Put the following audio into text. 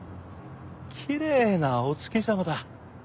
きれいなお月様だ。